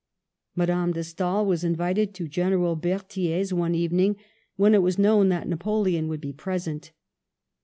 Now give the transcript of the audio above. Madame de Stael was invited to General Berthier's one evening when it was known that Napoleon would be present.